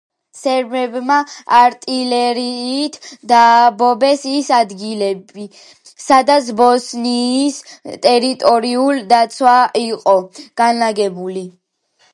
სერბებმა არტილერიით დაბომბეს ის ადგილები, სადაც ბოსნიის ტერიტორიული თავდაცვა იყო განლაგებული.